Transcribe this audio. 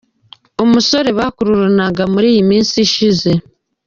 musore bakururanaga muri iyi minsi ishize.